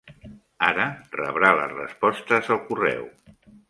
Ara rebrà les respostes al correu.